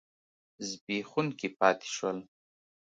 زبېښونکي پاتې شول.